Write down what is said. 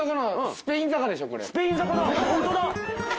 スペイン坂だこれ。